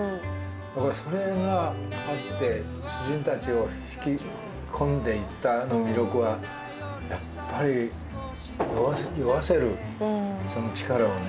それがあって詩人たちを引き込んでいった魅力はやっぱり酔わせるその力をね